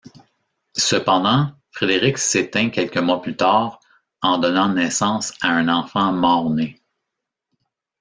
Cependant, Frédérique s'éteint quelques mois plus tard en donnant naissance à un enfant mort-né.